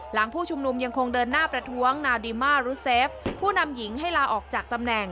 ผู้ชุมนุมยังคงเดินหน้าประท้วงนาวดีมารุเซฟผู้นำหญิงให้ลาออกจากตำแหน่ง